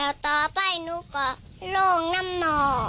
แล้วต่อไปหนูก็โล่งน้ำหน่อ